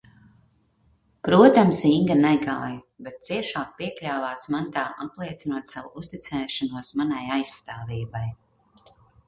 Protams Inga negāja, bet ciešāk piekļāvās man tā apliecinot savu uzticēšanos manai aizstāvībai.